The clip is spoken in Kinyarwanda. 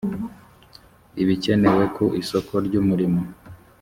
ibikenewe ku isoko ry umurimo